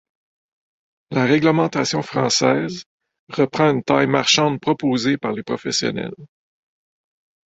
La réglementation française reprend une taille marchande proposée par les professionnels.